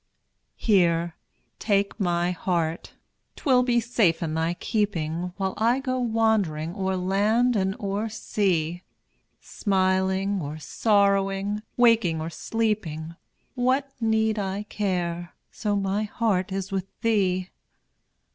Here, take my heart 'twill be safe in thy keeping, While I go wandering o'er land and o'er sea; Smiling or sorrowing, waking or sleeping, What need I care, so my heart is with thee?